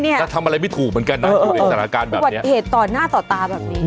แล้วทำอะไรไม่ถูกเหมือนกันนะอยู่ในสถานการณ์แบบนี้อุบัติเหตุต่อหน้าต่อตาแบบนี้